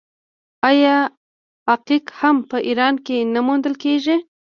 آیا عقیق هم په ایران کې نه موندل کیږي؟